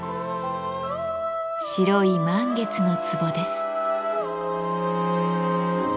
白い満月の壺です。